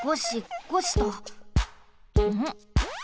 ん？